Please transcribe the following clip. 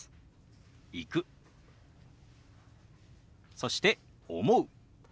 そして「思う」。